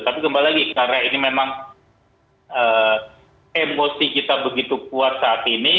tapi kembali lagi karena ini memang emosi kita begitu kuat saat ini